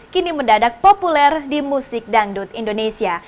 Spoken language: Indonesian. kini mendadak populer di musik dangdut indonesia